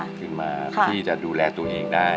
ขึ้นมาที่จะดูแลตัวเองได้